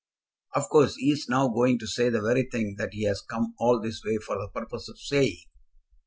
"Of course he is now going to say the very thing that he has come all this way for the purpose of saying.